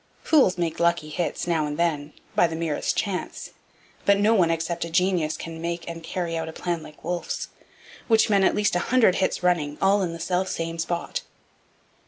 Fools make lucky hits, now and then, by the merest chance. But no one except a genius can make and carry out a plan like Wolfe's, which meant at least a hundred hits running, all in the selfsame spot.